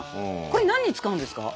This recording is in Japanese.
これ何に使うんですか？